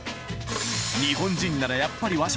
日本人ならやっぱり和食。